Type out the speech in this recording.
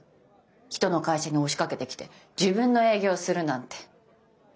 人の会社に押しかけてきて自分の営業するなんて信じられない。